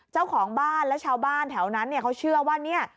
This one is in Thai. เจ้าของบ้านและชาวบ้านแถวนั้นเนี่ยเขาเชื่อว่าเนี่ย